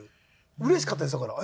うれしかったですだから。